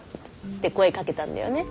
って声かけたんだよね。